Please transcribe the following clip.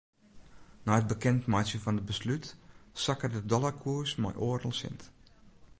Nei it bekendmeitsjen fan it beslút sakke de dollarkoers mei oardel sint.